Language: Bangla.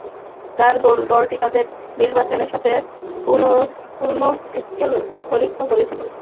তার দলটি তাদের নির্বাচনের সাথে পূর্ণ-স্কেল পরীক্ষা করেছিল।